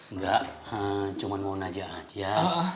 nggak cuma mau nanya aja